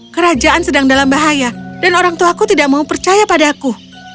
kerajaan sedang dalam bahaya dan orang tuaku tidak mau percaya padaku